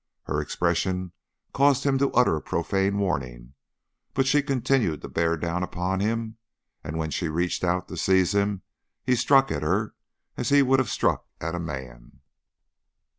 Her expression caused him to utter a profane warning, but she continued to bear down upon him, and when she reached out to seize him he struck at her as he would have struck at a man.